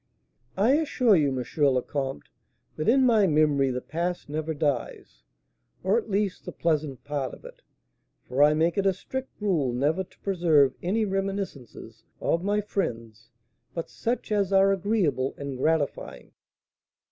"I assure you, M. le Comte, that in my memory the past never dies; or, at least, the pleasant part of it; for I make it a strict rule never to preserve any reminiscences of my friends but such as are agreeable and gratifying."